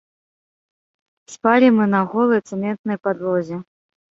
Спалі мы на голай цэментнай падлозе.